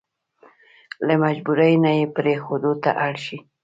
له مجبوري نه يې پرېښودو ته اړ شي.